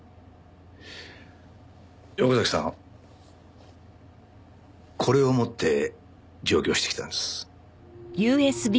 横崎さんこれを持って上京してきたんです。